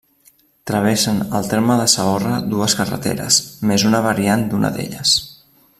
Travessen al terme de Saorra dues carreteres, més una variant d'una d'elles.